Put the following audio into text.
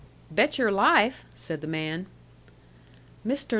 "Bet your life!" said the man. "Mr.